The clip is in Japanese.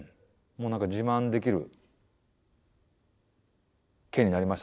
もう何か自慢できる県になりましたね。